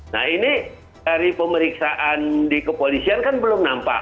nah ini dari pemeriksaan di kepolisian kan belum nampak